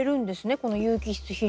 この有機質肥料。